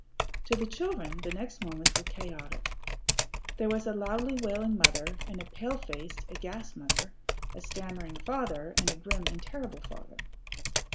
To the children the next moments were chaotic. There was a loudly wailing mother, and a pale faced, aghast mother; a stammering father, and a grim and terrible father.